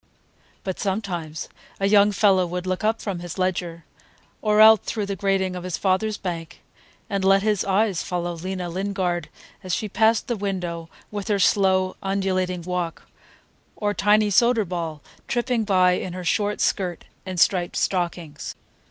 But sometimes a young fellow would look up from his ledger, or out through the grating of his father's bank, and let his eyes follow Lena Lingard, as she passed the window with her slow, undulating walk, or Tiny Soderball, tripping by in her short skirt and striped stockings.